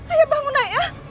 ayah bangun ayah